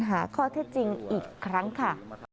หาข้อเท็จจริงอีกครั้งค่ะ